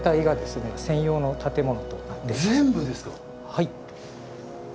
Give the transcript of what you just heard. はい。